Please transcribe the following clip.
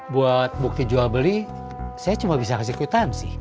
buat bukti jual beli saya cuma bisa kasih kwitansi